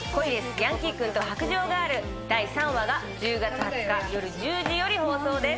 ヤンキー君と白杖ガール』第３話が１０月２０日、夜１０時より放送です。